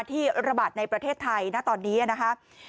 ที่ระบาดในประเทศไทยณตอนนี้นะคะ